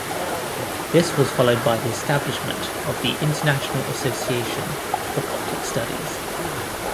This was followed by the establishment of the "International Association for Coptic Studies".